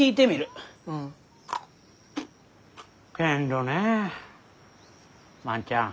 けんどね万ちゃん。